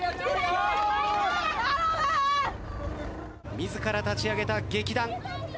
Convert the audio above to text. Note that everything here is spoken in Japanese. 自ら立ち上げた劇団。